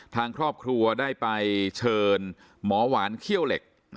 ทางครอบครัวได้ไปเชิญหมอหวานเขี้ยวเหล็ก